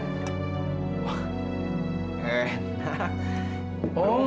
gak pernah makan